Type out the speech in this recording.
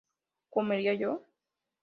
¿comería yo?